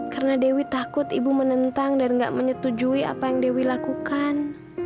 karena dewi takut ibu menentang dan nggak menyetujui apa yang dewi lakukan